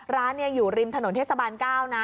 ร้านเนี่ยอยู่ริมถนนเทศบานเก้านะ